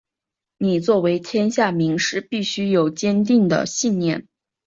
你作为天下名士必须有坚定的信念！